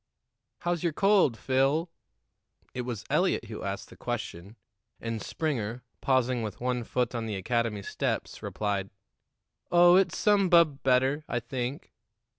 "How's your cold, Phil?" It was Eliot who asked the question, and Springer, pausing with one foot on the academy steps, replied: "Oh, it's some bub better, I think."